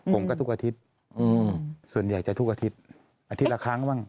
ผมก็ทุกอาทิตย์ส่วนใหญ่จะทุกอาทิตย์อาทิตย์ละครั้งบ้าง